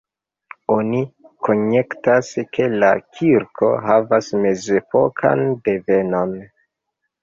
Oni konjektas, ke la kirko havas mezepokan devenon.